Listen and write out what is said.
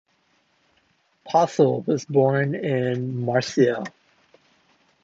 Possel was born in Marseille.